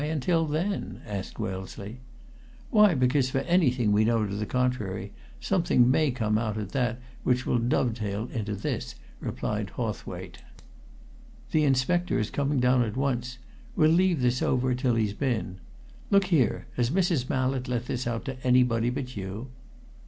"Why until then?" asked Wellesley. "Why, because, for anything we know to the contrary, something may come out at that which will dovetail into this," replied Hawthwaite. "The Inspector is coming down at once we'll leave this over till he's been. Look here, has Mrs. Mallett let this out to anybody but you?"